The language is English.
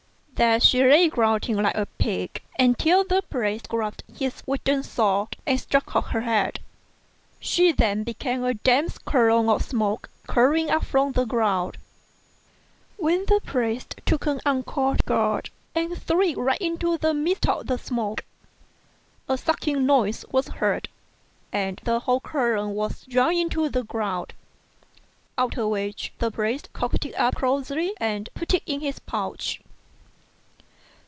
There she lay grunting like a pig, until the priest grasped his wooden sword and struck off her head. She then became a dense column of smoke curling up from the ground, when the priest took an uncorked gourd and threw it right into the midst of the smoke. A sucking noise was heard, and the whole column was drawn into the gourd ; after which the priest corked it up closely and put it in his pouch.